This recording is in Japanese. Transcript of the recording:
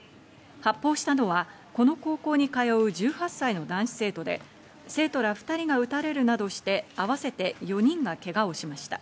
発砲したのは、この高校に通う１８歳の男子生徒で、生徒ら２人が撃たれるなどして、合わせて４人がけがをしました。